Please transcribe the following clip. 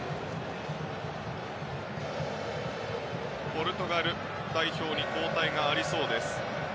ポルトガル代表に交代がありそうです。